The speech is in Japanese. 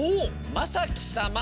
まさきさま。